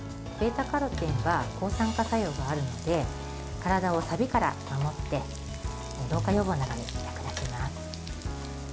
β‐カロテンは抗酸化作用があるので体をさびから守って老化予防などに役立ちます。